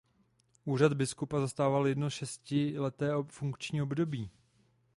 Úřad biskupa zastával jedno šestileté funkční období.